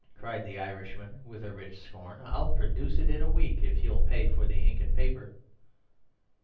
cried the Irishman with a rich scorn. "I'll produce it in a week if you'll pay for the ink and paper."